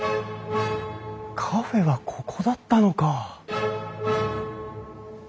カフェはここだったのか。